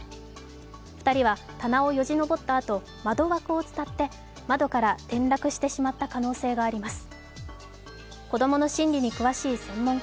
２人は棚をよじ登ったあと、窓枠を伝って窓から転落してしまった可能性があります。